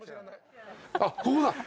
あっここだ。